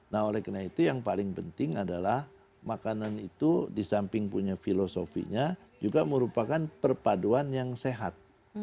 nah oleh karena itu yang paling penting adalah makanan itu di samping punya filosofinya juga merupakan perpaduan yang sehat